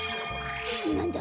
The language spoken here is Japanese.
なんだ？